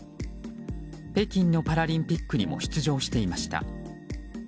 北京のパラリンピックにも出場していました。